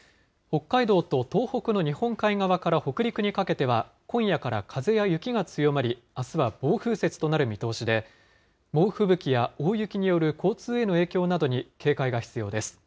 北海道と東北の日本海側から北陸にかけては、今夜から風や雪が強まり、あすは暴風雪となる見通しで、猛吹雪や大雪による交通への影響などに警戒が必要です。